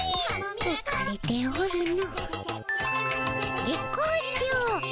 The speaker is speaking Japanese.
うかれておるの。